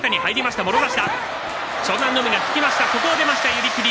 寄り切り。